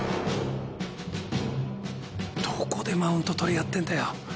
どこでマウント取り合ってんだよ。